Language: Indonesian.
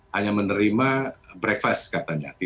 hanya menerima mas ricky waktu itu saya hubungi